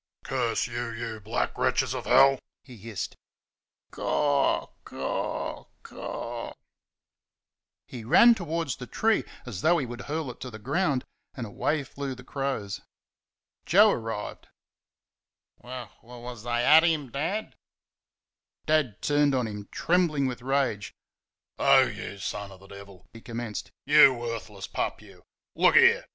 "CURSE you!" he hissed "you black wretches of hell!" "CAW, CAW, CAW" He ran towards the tree as though he would hurl it to the ground, and away flew the crows. Joe arrived. "W w wuz they at him, Dad?" Dad turned on him, trembling with rage. "Oh, YOU son of the Devil!" he commenced. "YOU worthless pup, you! Look there!